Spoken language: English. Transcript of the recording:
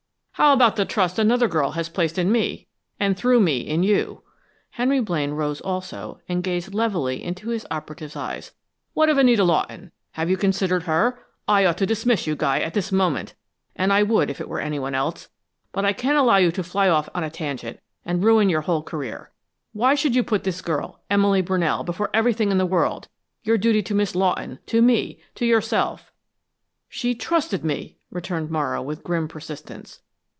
"How about the trust another girl has placed in me and through me, in you?" Henry Blaine rose also, and gazed levelly into his operative's eyes. "What of Anita Lawton? Have you considered her? I ought to dismiss you, Guy, at this moment, and I would if it were anyone else, but I can't allow you to fly off at a tangent, and ruin your whole career. Why should you put this girl, Emily Brunell, before everything in the world your duty to Miss Lawton, to me, to yourself?" "She trusted me," returned Morrow, with grim persistence.